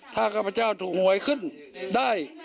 ถ้าข้าพเจ้าถูกหวยขึ้นได้